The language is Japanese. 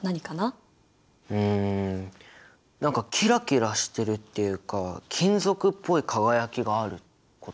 うん何かキラキラしてるっていうか金属っぽい輝きがあること？